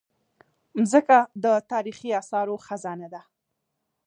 مځکه د تاریخي اثارو خزانه ده.